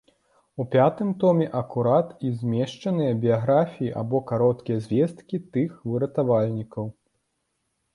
У пятым томе акурат і змешчаныя біяграфіі або кароткія звесткі тых выратавальнікаў.